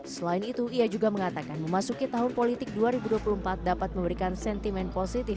selain itu ia juga mengatakan memasuki tahun politik dua ribu dua puluh empat dapat memberikan sentimen positif